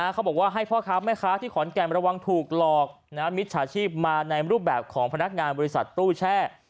เขาบอกว่าให้พ่อค้าแม่ค้าที่ขอนแก่นระวังถูกหลอกมิจฉาชีพมาในรูปแบบของพนักงานบริษัทตู้แช่